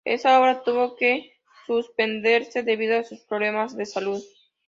Esa obra tuvo que suspenderse debido a sus problemas de salud.